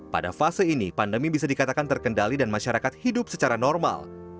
pada fase ini pandemi bisa dikatakan terkendali dan masyarakat hidup secara normal